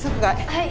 はい！